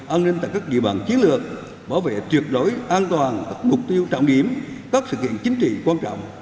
an ninh tại các địa bàn chiến lược bảo vệ tuyệt đối an toàn các mục tiêu trọng điểm các sự kiện chính trị quan trọng